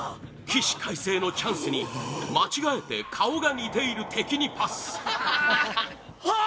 起死回生のチャンスに間違えて顔が似ている敵にパス桜木：ああ！